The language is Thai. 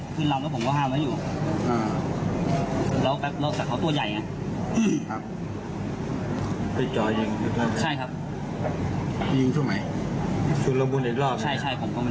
ใช่ผมก็ไม่รู้ว่ามันชุดละมุน